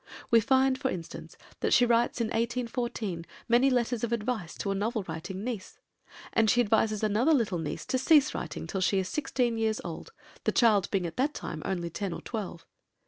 We find, for instance, that she writes in 1814 many letters of advice to a novel writing niece; and she advises another little niece to cease writing till she is sixteen years old, the child being at that time only ten or twelve.